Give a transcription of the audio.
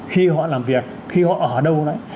khi họ làm việc khi họ ở đâu đấy